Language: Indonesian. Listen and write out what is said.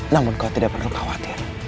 namun kau tidak perlu khawatir